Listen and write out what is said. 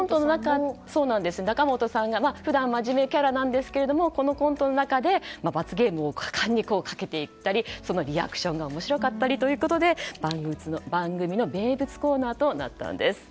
仲本さん、普段真面目キャラなんですがこのコントの中で罰ゲームを果敢にかけていったりそのリアクションが面白かったりということで番組の名物コーナーとなったんです。